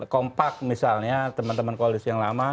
kompak misalnya teman teman koalisi yang lama